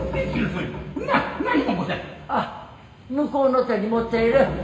アッ向こうの手に持っている。